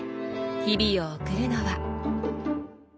日々を送るのは。